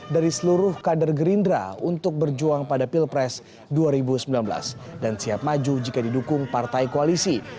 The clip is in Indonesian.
dari seluruh kader gerindra untuk berjuang pada pilpres dua ribu sembilan belas dan siap maju jika didukung partai koalisi